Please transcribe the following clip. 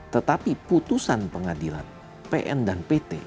tetapi putusan pengadilan pn dan pt